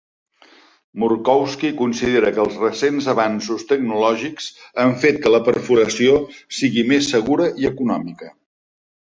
Murkowski considera que els recents avanços tecnològics han fet que la perforació sigui més segura i econòmica.